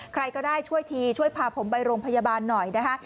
ใครก็ได้ช่วยทีช่วยพาผมไปโรงพยาบาลหน่อยนะคะ